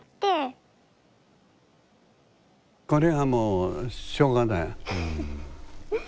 これはもうしょうがない。